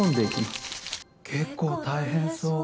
結構大変そう。